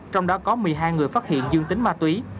trong đó có một mươi hai người phát hiện dương tính ma túy